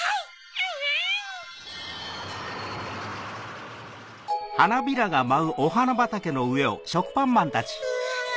・・アンアン・うわ！